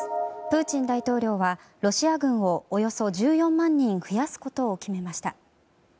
プーチン大統領は、ロシア軍をおよそ１４万人増やすことを決めました。